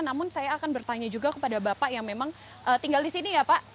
namun saya akan bertanya juga kepada bapak yang memang tinggal di sini ya pak